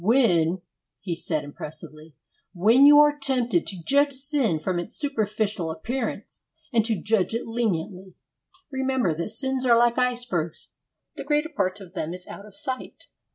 'When,' he said impressively, 'when you are tempted to judge sin from its superficial appearance, and to judge it leniently, remember that sins are like icebergs the greater part of them is out of sight!'